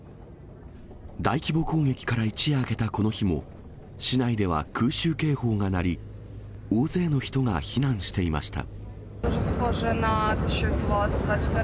大規模攻撃から一夜明けたこの日も、市内では空襲警報が鳴り、大勢の人が避難していました。